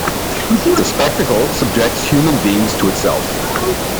The spectacle 'subjects human beings to itself'.